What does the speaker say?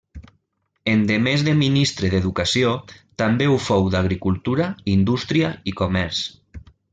Endemés de ministre d'educació, també ho fou d'agricultura, indústria i comerç.